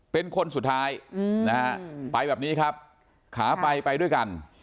เป็นคนสุดท้ายนะฮะไปแบบนี้ครับขาไปไปด้วยกัน